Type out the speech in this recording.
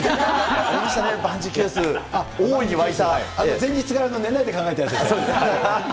出ましたね、前日から寝ないで考えたやつですね。